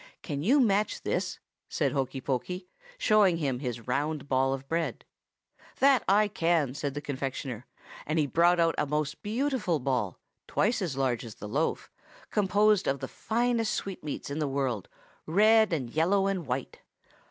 "'Can you match this?' asked Hokey Pokey, showing his round ball of bread. "'That can I!' said the confectioner; and he brought out a most beautiful ball, twice as large as the loaf, composed of the finest sweetmeats in the world, red and yellow and white.